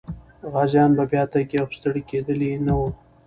غازيان به بیا تږي او ستړي کېدلي نه وو.